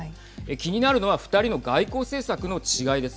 気になるのは２人の外交政策の違いです。